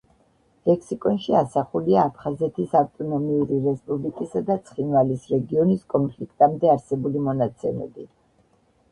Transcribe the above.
ლექსიკონში ასახულია აფხაზეთის ავტონომიური რესპუბლიკისა და ცხინვალის რეგიონის კონფლიქტამდე არსებული მონაცემები.